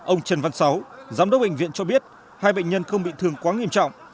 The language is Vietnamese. ông trần văn sáu giám đốc bệnh viện cho biết hai bệnh nhân không bị thương quá nghiêm trọng